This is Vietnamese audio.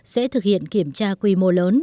sẽ thực hiện kiểm tra quy mô lớn